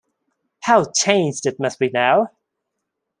How changed it must be now!